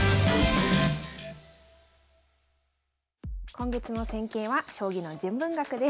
今月の戦型は将棋の純文学です。